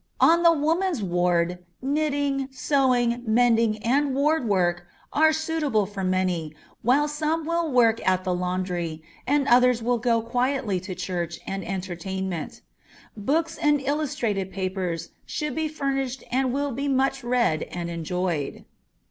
On the woman's ward knitting, sewing, mending, and ward work are suitable for many, while some will work at the laundry, and others will go quietly to church and entertainment; books and illustrated papers should be furnished and will be much read and enjoyed.